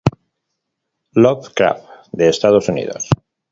Lovecraft de Estados Unidos.